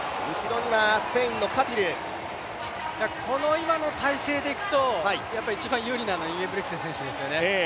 今の体制でいくと一番有利なのはインゲブリクセン選手ですよね